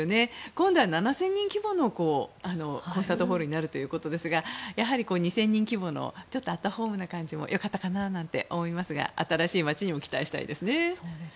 今度は７０００人規模のコンサートホールになるということですがやはり２０００人規模のちょっとアットホームな感じもよかったかなと思いますが新しい街にも期待したいですね。